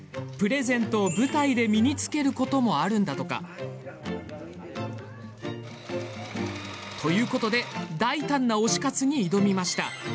プレゼントを舞台で身に着けることもあるんだとか。ということで大胆な推し活に挑みました。